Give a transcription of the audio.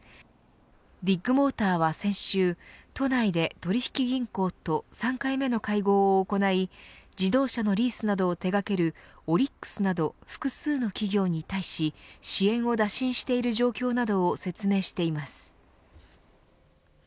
ビッグモーターは先週、都内で取引銀行と３回目の会合を行い自動車のリースなど手掛けるオリックスなど複数の企業に対し支援を打診している状況などを説明しています。